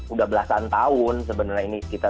udah belasan tahun sebenarnya ini kita